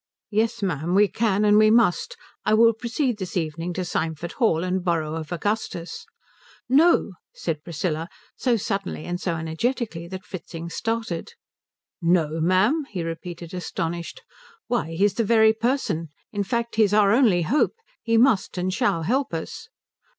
"Yes ma'am, we can and we must. I will proceed this evening to Symford Hall and borrow of Augustus." "No," said Priscilla; so suddenly and so energetically that Fritzing started. "No, ma'am?" he repeated, astonished. "Why, he is the very person. In fact he is our only hope. He must and shall help us."